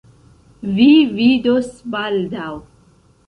Vi vidos baldaŭ.